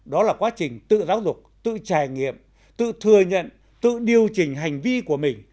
đó là quá trình tự giáo dục tự trải nghiệm tự thừa nhận tự điều chỉnh hành vi của mình